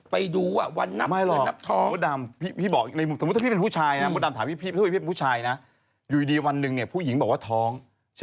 ไปดูว่านับท้อง